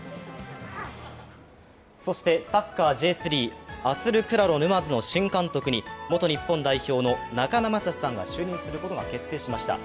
そして、サッカーＪ３アスルクロラ沼津の新監督に元日本代表の中山雅史さんが就任することが決定しました。